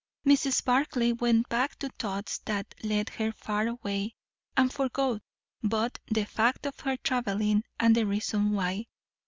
Mrs. Barclay went back to thoughts that led her far away, and forgot both the fact of her travelling and the reason why.